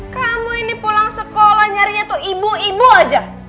kamu ini pulang sekolah nyarinya tuh ibu ibu aja